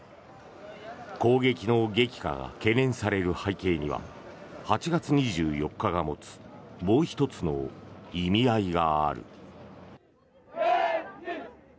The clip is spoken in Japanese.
攻撃の激化が懸念される背景には８月２４日が持つもう１つの意味合いがある。